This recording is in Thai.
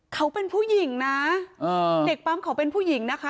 เขาเป็นผู้หญิงนะเด็กปั๊มเขาเป็นผู้หญิงนะคะ